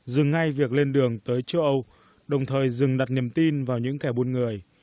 dừng ngay việc lên đường tới châu âu đồng thời dừng đặt niềm tin vào những kẻ buôn người